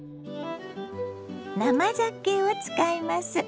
生ざけを使います。